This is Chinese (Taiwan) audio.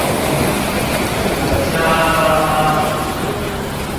我家媽媽